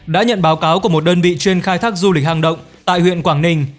đã nhận báo cáo của một đơn vị chuyên khai thác du lịch hang động tại huyện quảng ninh